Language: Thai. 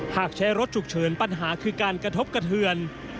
หากใช้รถฉุกเฉินปัญหาคือการกระทบกระเทือน